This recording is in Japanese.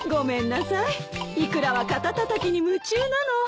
イクラは肩たたきに夢中なの。